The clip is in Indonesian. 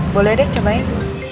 boleh deh cobain